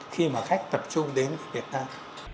khi mà khách tập trung đến việt nam